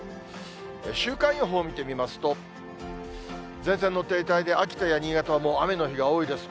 週間予報を見てみますと、前線の停滞で秋田や新潟はもう雨の日が多いです。